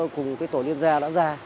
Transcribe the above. cùng tổ liên gia đã ra